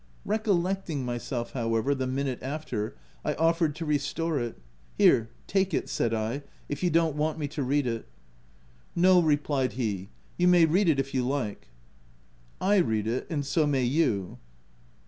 Recollecting myself, however, the minute after, I offered to restore it. " Here, take it," said I, u if you don't want me to read it/' " No, replied he, " you may read it if you like/' I read it and so may you.